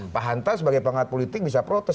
pak hanta sebagai pengamat politik bisa protes